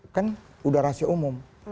kan udah rahasia umum